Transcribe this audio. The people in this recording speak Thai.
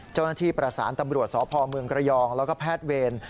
เจ้าหน้าที่ประสานตำรวจสพเมืองระยองแล้วก็แพทย์เวร